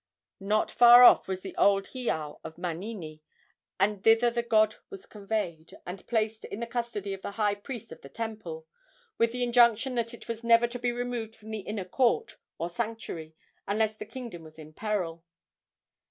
Not far off was the old heiau of Manini, and thither the god was conveyed, and placed in the custody of the high priest of the temple, with the injunction that it was never to be removed from the inner court, or sanctuary, unless the kingdom was in peril.